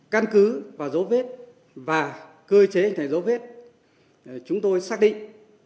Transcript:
căn cứ và dấu viết và cơ chế hình thành dấu viết chúng tôi xác định